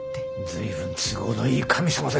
随分都合のいい神様ですね！